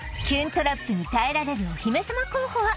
トラップに耐えられるお姫様候補は？